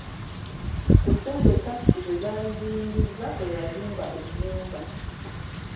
Ku ssente takisi ze zaali ziyingizza kwe yazimba ennyumba.